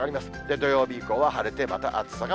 土曜日以降は晴れて、また暑さが